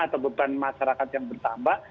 atau beban masyarakat yang bertambah